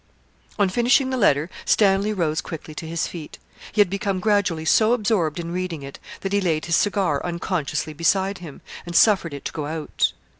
On finishing the letter, Stanley rose quickly to his feet. He had become gradually so absorbed in reading it, that he laid his cigar unconsciously beside him, and suffered it to go out.